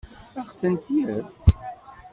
Ad ɣ-tent-yefk?